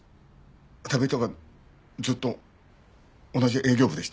田部井とはずっと同じ営業部でした。